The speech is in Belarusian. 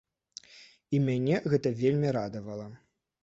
І мяне гэта вельмі радавала.